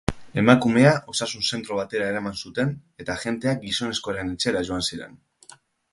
Emakumea osasun zentro batera eraman zuten eta agenteak gizonezkoaren etxera joan ziren.